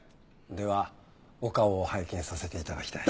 ではお顔を拝見させていただきたい。